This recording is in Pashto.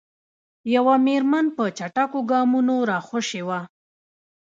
یوه میرمن په چټکو ګامونو راخوشې وه.